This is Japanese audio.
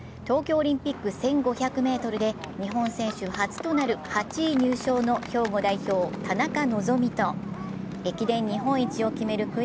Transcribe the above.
東京オリンピック１５００ｍで日本選手初となる８位入賞の兵庫代表・田中希実と駅伝日本一を決める